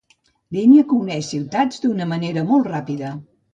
Línia que uneix ciutats d'una manera molt ràpida.